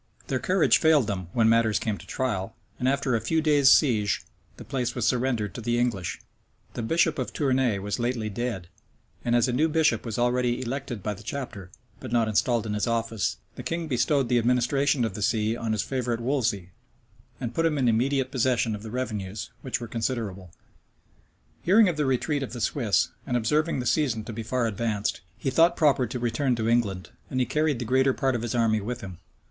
[] Their courage failed them when matters came to trial; and after a few days' siege, the place was surrendered to the English. The bishop of Tournay was lately dead; and as a new bishop was already elected by the chapter, but not installed in his office, the king bestowed the administration of the see on his favorite Wolsey, and put him in immediate possession of the revenues, which were considerable.[] * Mémoires du Mareschal de Fleuranges. Bellarius, lib. xiv. Mémoires de Fleuranges. Strype's Memorials, vol. i. p. 5, 6. Hearing of the retreat of the Swiss, and observing the season to be far advanced, he thought proper to return to England; and he carried the greater part of his army with him.